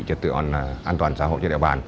cho tựa an toàn xã hội trên địa bàn